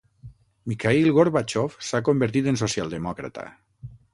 Mikhaïl Gorbatxov s’ha convertit en socialdemòcrata.